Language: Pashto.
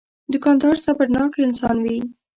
دوکاندار صبرناک انسان وي.